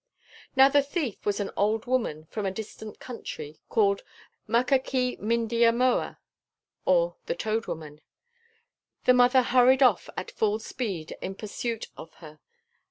Now the thief was an old woman from a distant country, called Mukakee Mindemoea, or the Toad Woman. The mother hurried off at full speed in pursuit of her.